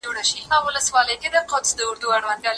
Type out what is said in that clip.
افغان سوداګر د چین سوداګریزي ویزي په کومو شرایطو اخلي؟